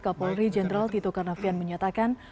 kapolri jenderal tito karnavian menyatakan